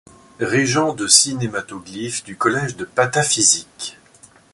Régent de Cinématoglyphe du Collège de 'Pataphysique.